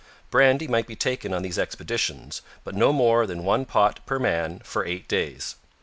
Brandy might be taken on these expeditions, but no more than one pot per man for eight days.